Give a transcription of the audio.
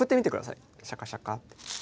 シャカシャカって。